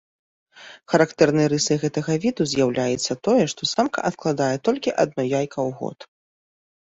Характэрнай рысай гэтага віду з'яўляецца тое, што самка адкладае толькі адно яйка ў год.